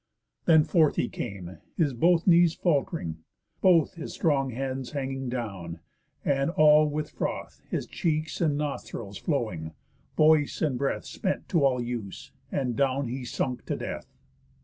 Then forth he came, his both knees falt'ring, both His strong hands hanging down, and all with froth His cheeks and nosthrils flowing, voice and breath Spent to all use, and down he sunk to death.